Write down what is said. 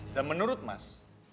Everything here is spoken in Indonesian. dan menurut mas